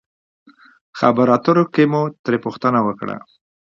خبرو اترو کښې مو ترې پوښتنه وکړه